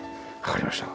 わかりました。